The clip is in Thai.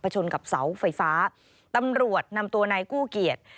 ประชนกับเสาไฟฟ้าตำรวจนำตัวในกู้เกียจ